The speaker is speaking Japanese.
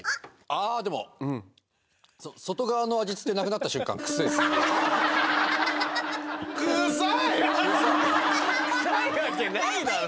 ああでも外側の味付けなくなった瞬間臭いわけないだろ